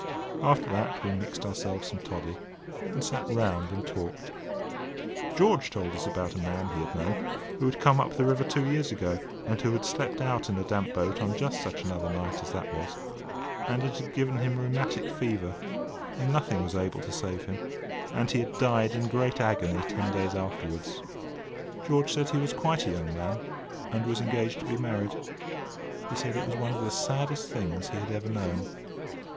After that, we mixed ourselves some toddy, and sat round and talked. George told us about a man he had known, who had come up the river two years ago and who had slept out in a damp boat on just such another night as that was, and it had given him rheumatic fever, and nothing was able to save him, and he had died in great agony ten days afterwards. George said he was quite a young man, and was engaged to be married. He said it was one of the saddest things he had ever known.